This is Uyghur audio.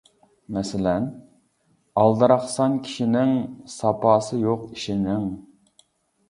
مەسىلەن: ئالدىراقسان كىشىنىڭ، ساپاسى يوق ئىشىنىڭ.